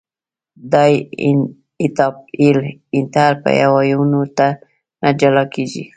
دای ایتایل ایتر په آیونونو نه جلا کیږي.